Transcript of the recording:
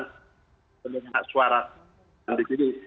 sebenarnya suara yang dikiri